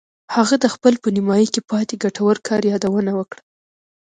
هغه د خپل په نیمایي کې پاتې ګټور کار یادونه وکړه